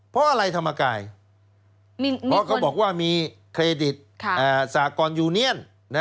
เพราะอะไรธรรมกายเพราะเขาบอกว่ามีเครดิตสากรยูเนียน